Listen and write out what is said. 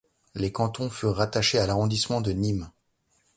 Les cantons furent rattachés à l'arrondissement de Nîmes.